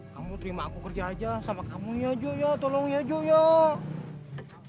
kamu terima aku kerja aja sama kamu ya jok tolong ya jok